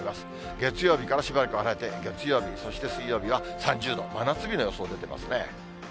月曜日からしばらくは晴れて、月曜日、そして水曜日は３０度、真夏日の予想出てますね。